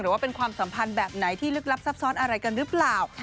ว่าเป็นความสัมพันธ์แบบไหนที่ลึกลับซับซ้อนอะไรกันหรือเปล่า